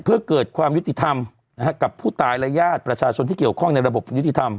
เพื่อเกิดความยุติธรรมกับผู้ตายและญาติประชาชนที่เกี่ยวข้องในระบบยุติธรรม